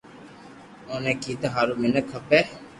اوني ڪيدا ھارون مينک کپي